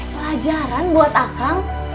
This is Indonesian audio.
pelajaran buat akan